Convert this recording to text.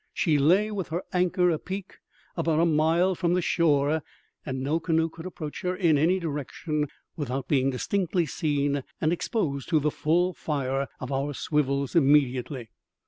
She lay, with her anchor apeak, about a mile from the shore, and no canoe could approach her in any direction without being distinctly seen and exposed to the full fire of our swivels immediately.